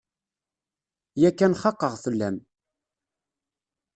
Yakan xaqeɣ fell-am.